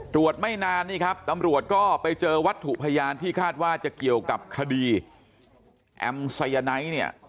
ไม่นานนี่ครับตำรวจก็ไปเจอวัตถุพยานที่คาดว่าจะเกี่ยวกับคดีแอมไซยาไนท์เนี่ย